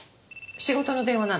仕事の電話なの。